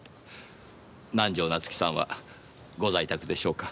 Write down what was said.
南条夏樹さんはご在宅でしょうか？